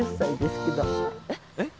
えっ？